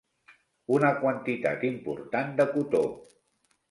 Una quantitat important de cotó.